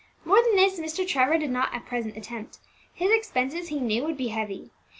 More than this Mr. Trevor did not at present attempt; his expenses, he knew, would be heavy.